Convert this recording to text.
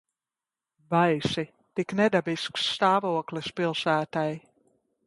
Baisi. Tik nedabisks stāvoklis pilsētai.